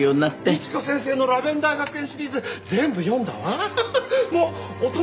美智子先生の『ラベンダー学園』シリーズ全部読んだわ。